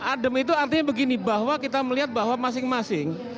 adem itu artinya begini bahwa kita melihat bahwa masing masing